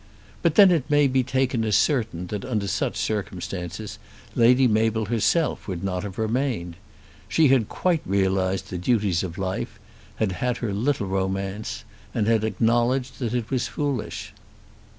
But then it may be taken as certain that under such circumstances Lady Mabel herself would not have remained. She had quite realised the duties of life, had had her little romance, and had acknowledged that it was foolish.